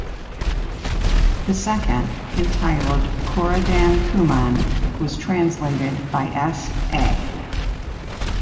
The second, entitled "Kurudan Kooman" was translated by S. A.